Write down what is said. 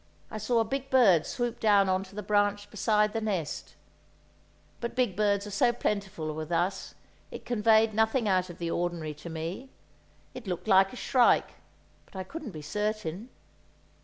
I saw a big bird swoop down on to the branch beside the nest; but big birds are so plentiful with us, it conveyed nothing out of the ordinary to me. It looked like a shrike, but I couldn't be certain.